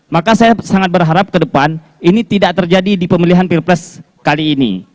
maka saya sangat berharap ke depan ini tidak terjadi di pemilihan pilpres kali ini